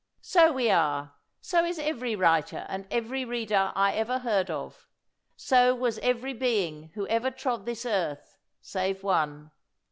So we are; so is every writer and every reader I ever heard of; so was every being who ever trod this earth, save One.